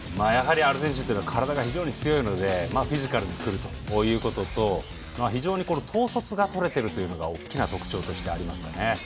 アルゼンチンというのは体が非常に強いのでフィジカルがあるということと非常に統率がとれているのが大きな特徴がありますよね。